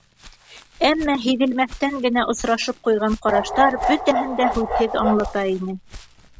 Әммә һиҙелмәҫтән генә осрашып ҡуйған ҡараштар бөтәһен дә һүҙһеҙ аңлата ине.